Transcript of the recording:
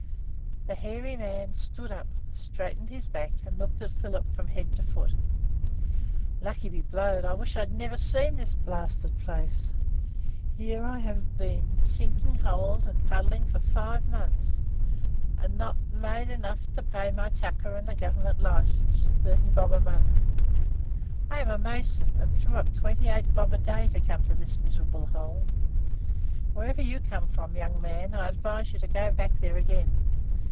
The hairy man stood up, straightened his back, and looked at Philip from head to foot. "Lucky be blowed. I wish I'd never seen this blasted place. Here have I been sinking holes and puddling for five months, and hav'n't made enough to pay my tucker and the Government license, thirty bob a month. I am a mason, and I threw up twenty eight bob a day to come to this miserable hole. Wherever you come from, young man, I advise you to go back there again.